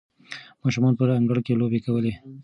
ماشومانو په انګړ کې لوبې کولې.